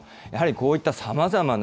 こういったさまざまな